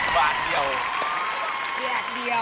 บานเดียว